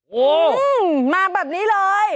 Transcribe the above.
โอ้โหมาแบบนี้เลย